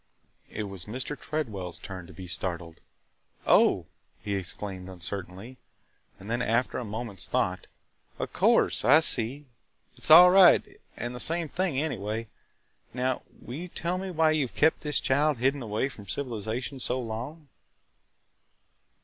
It was Mr. Tredwell's turn to be startled. "Oh!" he exclaimed uncertainly, and then, after a moment's thought, "Of course! I see! It 's all right – and the same thing anyway. Now, will you tell me why you have kept this child hidden away from civilization so long?"